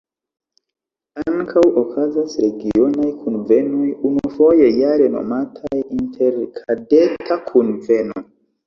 Ankaŭ okazas regionaj kunvenoj unufoje jare nomataj "interkadeta kunveno".